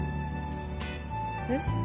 えっ？